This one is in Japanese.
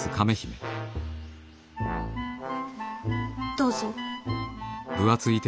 どうぞ。